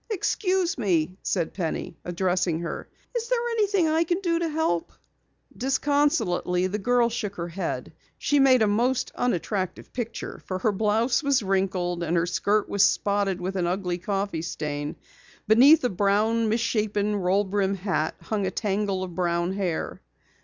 "Excuse me," said Penny, addressing her, "is there anything I can do to help?" Disconsolately, the girl shook her head. She made a most unattractive picture, for her blouse was wrinkled and her skirt was spotted with an ugly coffee stain. Beneath a brown, misshapen roll brim hat hung a tangle of brown hair.